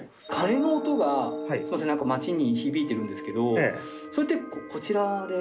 鐘の音が町に響いてるんですけどそれってこちらで？